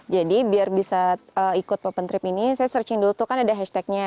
jadi biar bisa ikut open trip ini saya searching dulu tuh kan ada hashtagnya